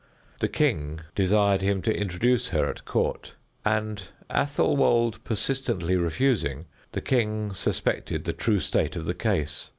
The king desired him to introduce her at court, and Athelwold persistently refusing, the king suspected the true state of the case.